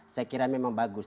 saya kira memang bagus